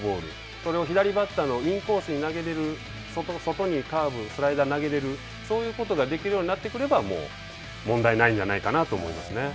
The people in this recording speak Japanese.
それを左バッターのインコースに投げれる、外にカーブ、スライダーを投げられる、そういうことができるようになってくれば、もう問題ないんじゃないかなと思いま